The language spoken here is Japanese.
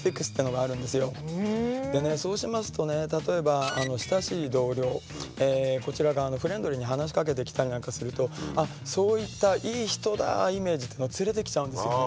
そうしますとね例えば親しい同僚こちらがフレンドリーに話しかけてきたりなんかするとそういったいい人だイメージっていうのを連れてきちゃうんですよ。